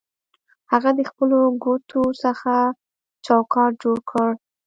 هغه د خپلو ګوتو څخه چوکاټ جوړ کړ